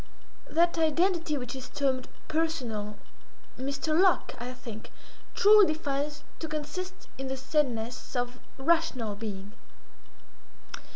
That identity which is termed personal, Mr. Locke, I think, truly defines to consist in the saneness of rational being.